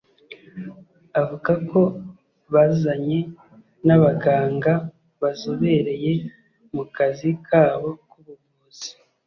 avuga ko bazanye n’abaganga bazobereye mu kazi kabo k’ubuvuzi